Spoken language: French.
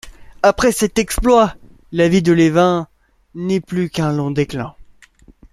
Après cette exploit, la vie de Levine n’est plus qu’un long déclin.